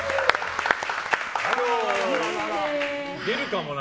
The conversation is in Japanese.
出るかもな。